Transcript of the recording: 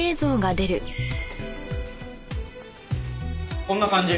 こんな感じ。